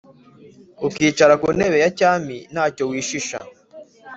ukicara ku ntebe ya cyami nta cyo wishisha,